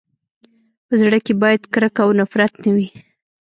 په زړه کي باید کرکه او نفرت نه وي.